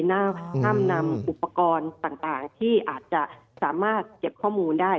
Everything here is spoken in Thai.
ห้ามนำอุปกรณ์ต่างที่อาจจะสามารถเก็บข้อมูลได้